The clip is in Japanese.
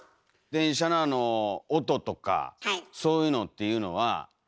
電車のあの音とかそういうのっていうのは。